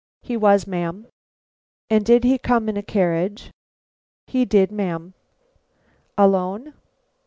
"He was, ma'am." "And did he come in a carriage?" "He did, ma'am." "Alone?"